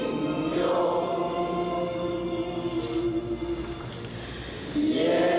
โอ้ลูกภาพุทธรรมรักษา